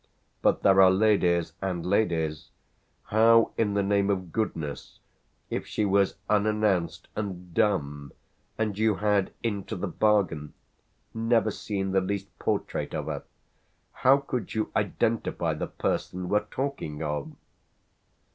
But there are ladies and ladies. How in the name of goodness, if she was unannounced and dumb and you had into the bargain never seen the least portrait of her how could you identify the person we're talking of?"